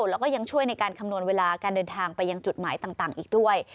แล้วก็ยังช่วยในการคำนวณเวลาการเดินทางไปยังจุดหมายต่างอีกด้วย